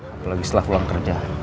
apalagi setelah pulang kerja